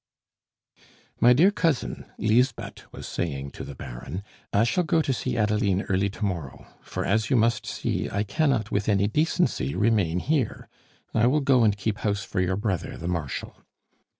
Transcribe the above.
"My dear cousin," Lisbeth was saying to the Baron, "I shall go to see Adeline early to morrow; for, as you must see, I cannot, with any decency, remain here. I will go and keep house for your brother the Marshal."